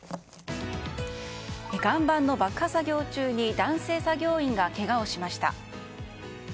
岩盤の爆破作業中に男性作業員がけがをしました。